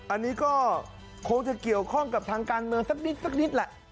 อันนี้ก็คงจะเกี่ยวข้องกับทางการเมืองสักนิดสักนิดแหละ